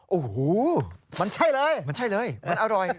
โอ้โหมันใช่เลยมันใช่เลยมันอร่อย